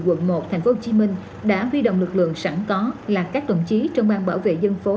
quận một tp hcm đã huy động lực lượng sẵn có là các đồng chí trong an bảo vệ dân phố